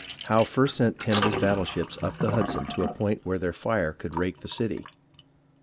Howe first sent ten of his battle ships up the Hudson to a point where their fire could rake the city.